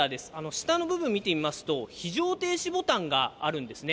下の部分見てみますと、非常停止ボタンがあるんですね。